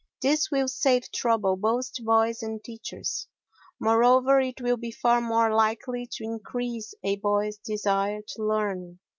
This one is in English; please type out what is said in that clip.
This will save trouble both to boys and teachers, moreover it will be far more likely to increase a boy's desire to learn.